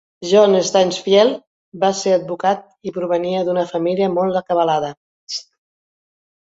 John Stansfield va ser advocat i provenia d'una família molt acabalada.